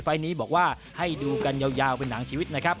นี้บอกว่าให้ดูกันยาวเป็นหนังชีวิตนะครับ